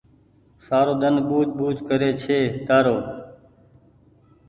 سجو ۮن ٻوجه ٻوجه ڪري ڇي تآرو